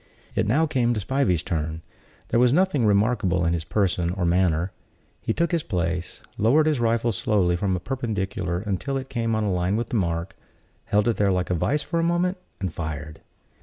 It now came to Spivey's turn. There was nothing remarkable in his person or manner. He took his place, lowered his rifle slowly from a perpendicular until it came on a line with the mark, held it there like a vice for a moment and fired.